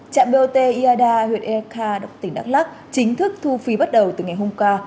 trạm bot yada huyện eka tỉnh đắk lắc chính thức thu phí bắt đầu từ ngày hôm qua